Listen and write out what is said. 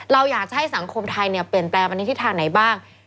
เราอยากจะให้สังคมไทยเปลี่ยนแปลงไปในทิศทางไหนบ้าง